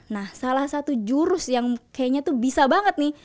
nah salah satu jurus yang kayaknya tuh bisa banget nih